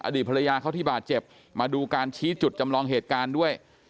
ภรรยาเขาที่บาดเจ็บมาดูการชี้จุดจำลองเหตุการณ์ด้วย